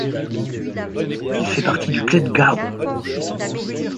Il fait partie du Klettgau.